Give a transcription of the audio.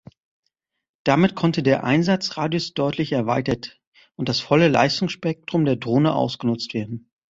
Damit konnte der Einsatzradius deutlich erweitert und das volle Leistungsspektrum der Drohne ausgenutzt werden.